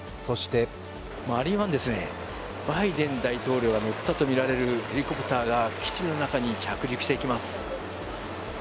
マリーンワンですね、バイデン大統領が乗ったとみられるヘリコプターが基地の中に着陸していきます。